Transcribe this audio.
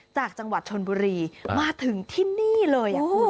จากจังหวัดชนบุรีมาถึงที่นี่เลย